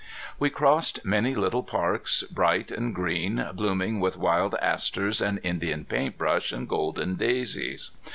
We crossed many little parks, bright and green, blooming with wild asters and Indian paint brush and golden daisies.